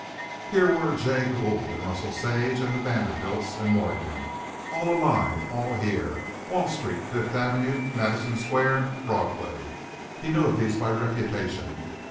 Here were Jay Gould and Russell Sage and the Vanderbilts and Morgan all alive and all here. Wall Street, Fifth Avenue, Madison Square, Broadway he knew of these by reputation.